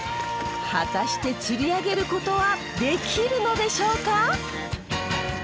果たして釣り上げることはできるのでしょうか？